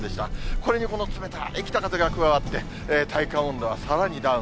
これにこの冷たい北風が加わって、体感温度はさらにダウン。